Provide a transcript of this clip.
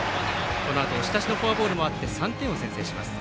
このあと押し出しのフォアボールもあって３点を先制します。